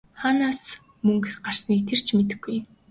Хаанаас мөнгө гарсныг ч тэр мэдэхгүй!